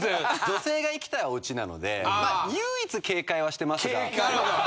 女性が行きたいおうちなのでまあ唯一警戒はしてますが。